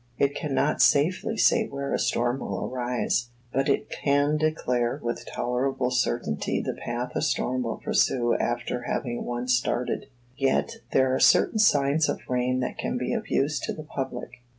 It can not safely say where a storm will arise; but it can declare with tolerable certainty the path a storm will pursue after having once started. Yet, there are certain signs of rain that can be of use to the public.